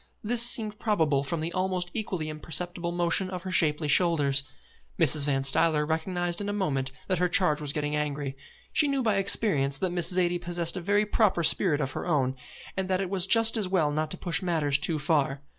This seemed probable from the almost equally imperceptible motion of her shapely shoulders. Mrs. Van Stuyler recognised in a moment that her charge was getting angry. She knew by experience that Miss Zaidie possessed a very proper spirit of her own, and that it was just as well not to push matters too far.